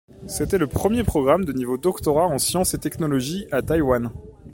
C'était le premier programme de niveau doctorat en sciences et technologie à Taïwan.